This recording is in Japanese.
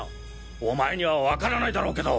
お前にはわからないだろうけど。